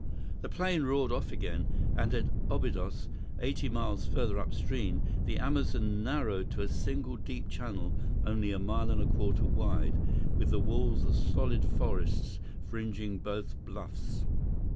The plane roared off again, and at Obidos, eighty miles farther upstream, the Amazon narrowed to a single deep channel only a mile and a quarter wide with the walls of solid forests fringing both bluffs.